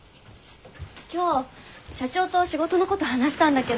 今日社長と仕事のこと話したんだけど。